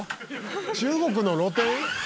中国の露店？